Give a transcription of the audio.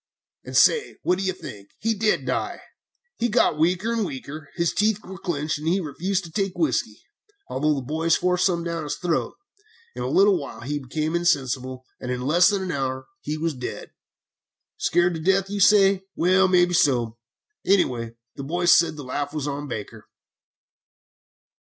"And say, what do you think? He did die! He got weaker and weaker. His teeth were clenched, and he refused to take whiskey, although the boys forced some down his throat. In a little while he became insensible, and in less than an hour he was dead. "'Scared to death,' you say? Well, maybe so; anyway, the boys said the laugh was on Baker!"